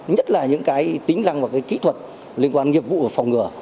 nhất là những cái tính năng và cái kỹ thuật liên quan nghiệp vụ và phòng ngừa